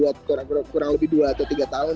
nungguin seseorang selama kurang lebih dua atau tiga tahun